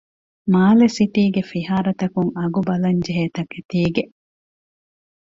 މާލެ ސިޓީގެ ފިހާރަތަކުން އަގުބަލަންޖެހޭ ތަކެތީގެ